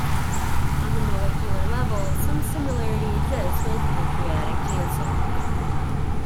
On the molecular level some similarity exists with pancreatic cancer.